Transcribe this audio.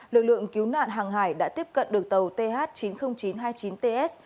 lực lượng cứu nạn hàng hải đã tiếp cận được tàu th chín mươi nghìn chín trăm hai mươi chín ts